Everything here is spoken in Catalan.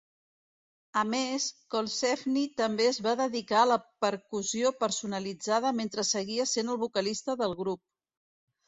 A més, Colsefni també es va dedicar a la percussió personalitzada mentre seguia sent el vocalista del grup.